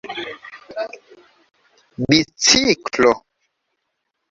biciklo